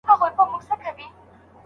که پوهه وي نو قفس نه وي.